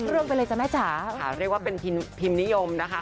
เรียกว่าเป็นพิมพ์นิยมนะคะ